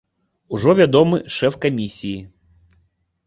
Ужо вядомы шэф камісіі.